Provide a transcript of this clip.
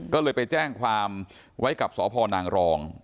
ก็เลยไปแจ้งความไว้กับสพนางรอง